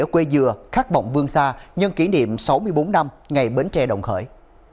quê dừa khát vọng vương xa nhân kỷ niệm sáu mươi bốn năm ngày bến tre đồng khởi